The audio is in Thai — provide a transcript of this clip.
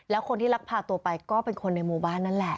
แล้วคนที่ลักพาตัวไปก็เป็นคนในหมู่บ้านนั่นแหละ